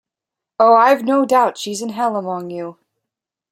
Oh, I’ve no doubt she’s in hell among you!